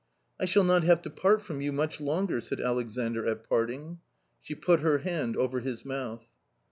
"I shall not have to part from you much longer/' said Alexandr at parting. She put her hand over his mouth.